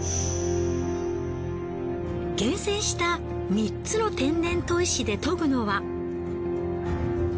厳選した３つの天然砥石で研ぐのは。